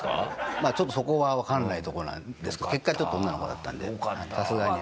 まあちょっとそこはわからないところなんですけど結果ちょっと女の子だったのでさすがに。